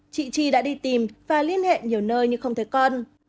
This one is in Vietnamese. chị chi đã đi tìm và liên hệ nhiều nơi nhưng không thấy con